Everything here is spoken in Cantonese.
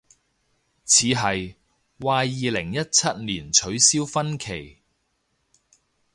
似係，話二零一七年取消婚期